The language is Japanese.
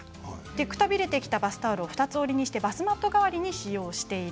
くたびれてきたバスタオルを二つ折りにしてバスマット代わりに使用している。